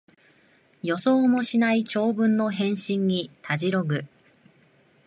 予想もしない長文の返信にたじろぐ